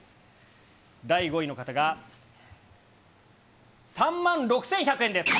第５位の方が、３万６１００円です。